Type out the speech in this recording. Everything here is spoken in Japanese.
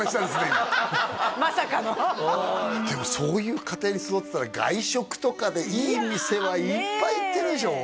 今まさかのでもそういう家庭に育ってたら外食とかでいい店はいっぱい行ってるでしょ？